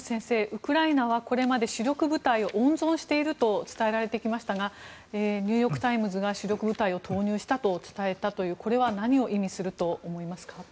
ウクライナはこれまで主力部隊を温存していると伝えられてきましたがニューヨーク・タイムズが主力部隊を投入したと伝えたというこれは何を意味すると思いますか？